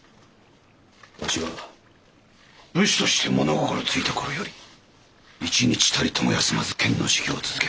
わしは武士として物心付いた頃より一日たりとも休まず剣の修行を続けてきた。